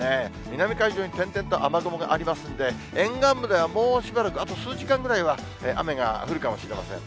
南海上に点々と雨雲がありますんで、沿岸部ではもうしばらく、あと数時間ぐらいは雨が降るかもしれません。